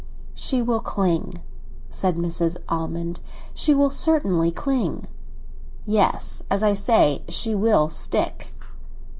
"She will cling," said Mrs. Almond; "she will certainly cling." "Yes; as I say, she will stick."